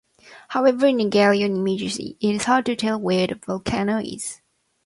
However, in Galileo images it is hard to tell where the volcano is.